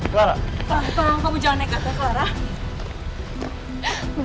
tolong kamu jangan negatif kelara